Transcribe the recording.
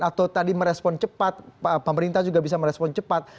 atau tadi merespon cepat pemerintah juga bisa merespon cepat